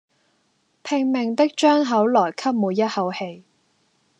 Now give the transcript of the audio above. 拼命的張口來吸每一口氣